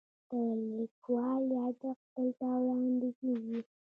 د لیکوال یادښت دلته وړاندې کیږي.